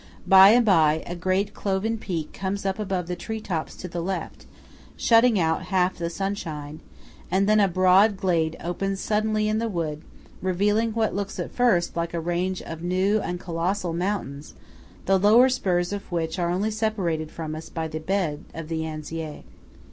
By and by, a great cloven peak comes up above the tree tops to the left, shutting out half the sunshine; and then a broad glade opens suddenly in the wood, revealing what looks at first sight like a range of new and colossal mountains, the lower spurs of which are only separated from us by the bed of the Anziei.